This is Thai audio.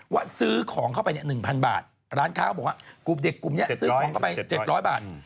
ว่าซื้อของเข้าไปเนี่ย๑๐๐บาทร้านค้าเขาบอกว่ากลุ่มเด็กกลุ่มนี้ซื้อของเข้าไป๗๐๐บาท